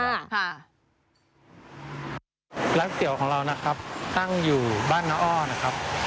แลร็ากเก๋วของเรานะครับตั้งอยู่บ้านนะอ้อนะครับ